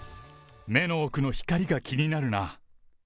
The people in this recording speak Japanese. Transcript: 目の奥の光が気になるな。